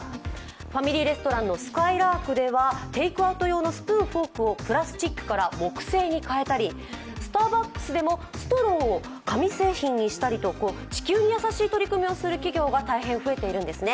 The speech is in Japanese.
ファミリーレストランのすかいらーくでは、テイクアウト用のスプーン、フォークをプラスチックから木製に代えたりスターバックスでもストローを紙製品にしたりと地球に優しい取り組みをする企業が大変増えているんですね。